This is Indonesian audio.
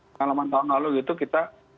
pengalaman tahun lalu gitu kita